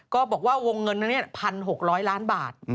บอกว่าวงเงินนั้น๑๖๐๐ล้านบาท